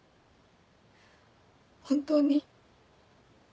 本当に。